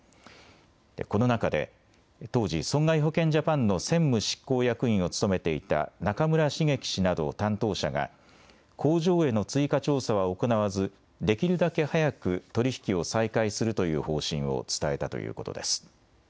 この中で当時損害保険ジャパンの専務執行役員を務めていた中村茂樹氏など担当者が工場への追加調査は行わずできるだけ早く取り引きを再開するという方針を伝えたということです。